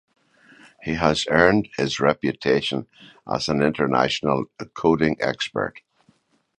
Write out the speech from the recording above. He has earned his reputation as an international coding expert.